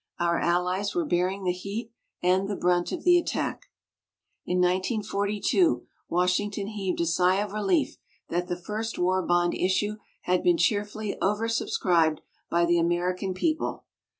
Our allies were bearing the heat and the brunt of the attack. In 1942 Washington heaved a sigh of relief that the first war bond issue had been cheerfully oversubscribed by the American people.